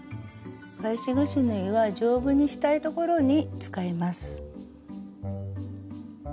返しぐし縫いは丈夫にしたい所に使います。